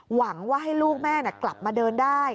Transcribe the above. หวังว่าให้ลูกแม่กลับมาเดินได้